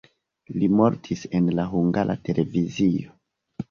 Li mortis en la Hungara Televizio.